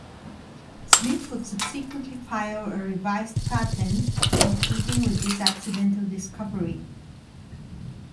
Smith would subsequently file a revised patent in keeping with this accidental discovery.